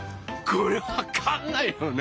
これわかんないよね？